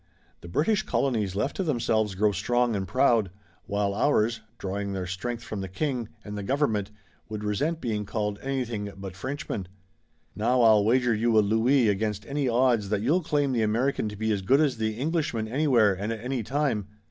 "The British colonies left to themselves grow strong and proud, while ours, drawing their strength from the King and the government, would resent being called anything but Frenchmen. Now, I'll wager you a louis against any odds that you'll claim the American to be as good as the Englishman anywhere and at any time."